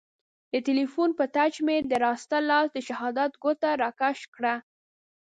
د تیلیفون په ټچ مې د راسته لاس د شهادت ګوته را کش کړه.